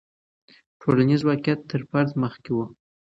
ټولنیز واقعیت تر فرد مخکې هم و.